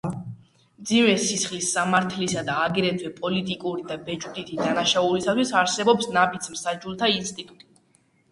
მძიმე სისხლის სამართლისა და, აგრეთვე, პოლიტიკური და ბეჭდვითი დანაშაულისათვის არსებობს ნაფიც მსაჯულთა ინსტიტუტი.